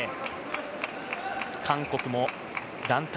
韓国も団体